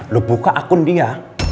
lo buka akun dia